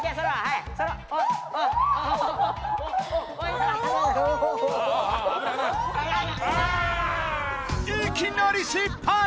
いきなり失敗！